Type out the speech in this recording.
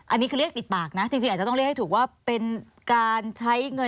อันนี้คือเรียกติดปากนะจริงอาจจะต้องเรียกให้ถูกว่าเป็นการใช้เงิน